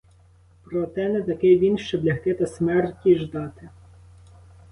Проте не такий він, щоб лягти та смерті ждати.